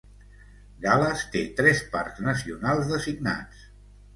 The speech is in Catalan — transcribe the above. Gal·les té tres parcs nacionals designats.